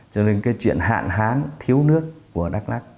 cho nên cái chuyện hạn hán thiếu nước của đắk lắc